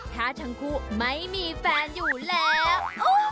ถ้าทั้งคู่ไม่มีแฟนอยู่แล้ว